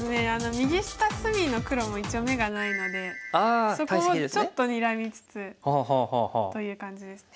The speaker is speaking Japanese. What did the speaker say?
右下隅の黒も一応眼がないのでそこをちょっとにらみつつという感じですね。